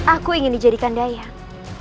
aku ingin dijadikan dayang